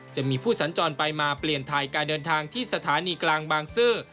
จะมีผู้สัญจรไปมาเปลี่ยนไทยการเดินทางที่สถานีกลางบางซื่อ